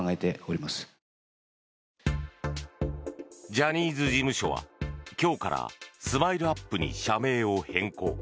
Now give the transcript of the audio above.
ジャニーズ事務所は今日からＳＭＩＬＥ−ＵＰ．に社名を変更。